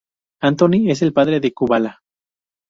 Antoni es el padre de Kubala.